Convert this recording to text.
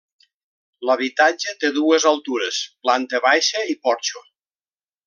L’habitatge té dues altures: planta baixa i porxo.